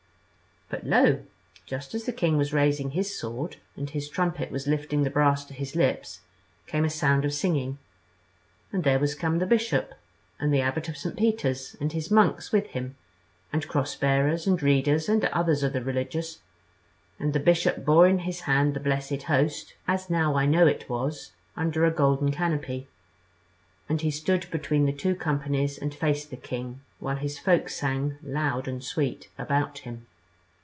But lo! just as the king was raising his sword, and his trumpet was lifting the brass to his lips, came a sound of singing, and there was come the Bishop and the Abbot of St. Peter's and his monks with him, and cross bearers and readers and others of the religious: and the Bishop bore in his hand the Blessed Host (as now I know it was) under a golden canopy, and he stood between the two companies and faced the king, while his folk sang loud and sweet about him.